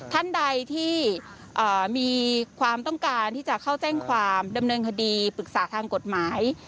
ท่านใดที่มีความต้องการที่จะเข้าแจ้งความดำเนินคดีปรึกษาทางกฎหมาย